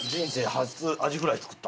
初アジフライ作った。